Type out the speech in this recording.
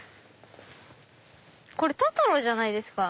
これトトロじゃないですか？